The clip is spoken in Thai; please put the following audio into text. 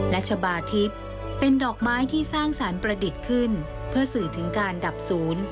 และชะบาทิพย์เป็นดอกไม้ที่สร้างสรรค์ประดิษฐ์ขึ้นเพื่อสื่อถึงการดับศูนย์